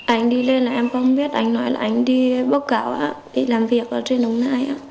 anh đi lên là em không biết anh nói là anh đi bốc cáo đi làm việc ở trên đống này